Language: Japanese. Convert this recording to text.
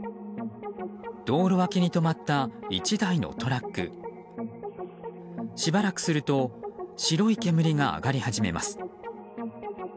道路脇に止まった１台のトラック。しばらくすると白い煙が上がり始めます。